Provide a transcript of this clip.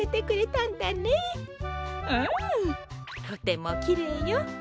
とてもきれいよ。